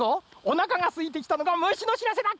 おなかがすいてきたのかむしのしらせだ。